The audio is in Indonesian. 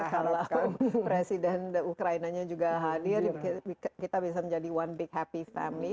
kalau presiden ukrainanya juga hadir kita bisa menjadi one big happy family